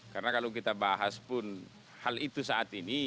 karena kalau kita bahas pun hal itu saat ini